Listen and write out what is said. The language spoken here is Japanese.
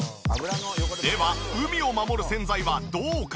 では海をまもる洗剤はどうか？